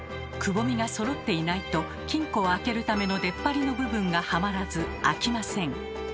くぼみがそろっていないと金庫を開けるための出っ張りの部分がはまらず開きません。